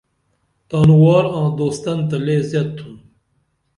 تانوں وار آں دوستن تہ لے زِیت تِھن